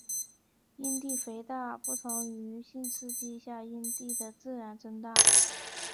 阴蒂肥大不同于性刺激下阴蒂的自然增大。